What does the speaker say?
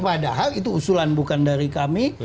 padahal itu usulan bukan dari kami